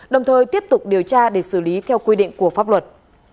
đồng thời tiếp tục điều tra để xử lý theo quy định của pháp luật